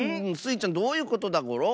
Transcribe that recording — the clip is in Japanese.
ちゃんどういうことだゴロ？